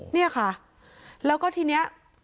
เนี่ยค่ะแล้วก็ทีนี้